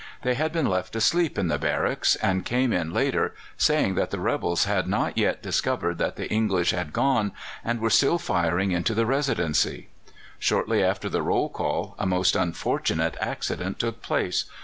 They had been left asleep in the barracks, and came in later, saying that the rebels had not yet discovered that the English had gone and were still firing into the Residency. Shortly after the roll call a most unfortunate accident took place.